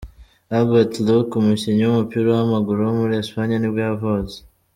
Albert Luque, umukinnyi w’umupira w’amaguru wo muri Espagne nibwo yavutse.